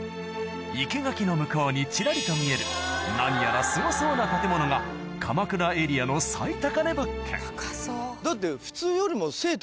生け垣の向こうにちらりと見える何やらすごそうな建物が鎌倉エリアのだって。